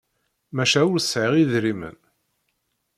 Maca ur sɛiɣ idrimen.